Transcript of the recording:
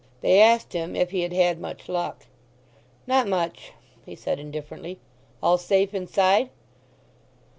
They asked him if he had had much luck. "Not much," he said indifferently. "All safe inside?"